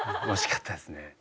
惜しかったですね。